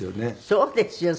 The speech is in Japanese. そうですよ。